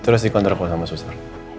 terus dikontrol sama suster